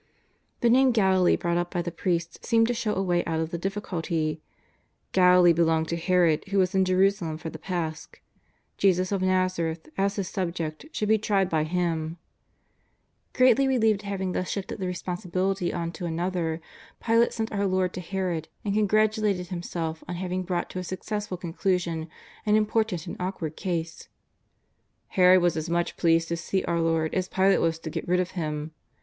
The name Galilee brought up by the priests seemed to show a way out of the difficulty. Galilee belonged to Herod, who was in Jerusalem for the Pasch. Jesus of Nazareth as his subject should be tried by him. Greatly relieved at having thus shifted the responsi bility on to another, Pilate sent our Lord to Herod, and congratulated himself on having brought to a suc cessful conclusion an important and awkward case. Herod was as much pleased to see our Lord as Pilate was to get rid of Him.